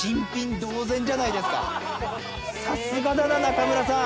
さすがだな中村さん。